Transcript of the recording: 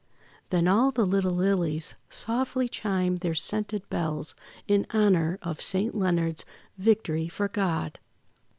Then all the little Lilies softly chimed their scented bells in honour of Saint Leonard's vic tory for God.